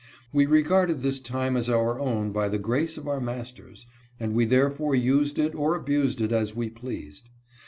We regarded this time as our own by the grace of our masters, and we therefore used it or abused it as we pleased.